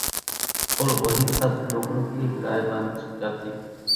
اور وہی سب لوگوں کی رائے بن جاتی